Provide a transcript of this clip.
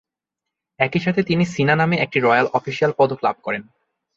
একই সাথে তিনি সিনা নামে একটি রয়্যাল অফিসিয়াল পদক লাভ করেন।